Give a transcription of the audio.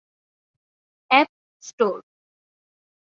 App Store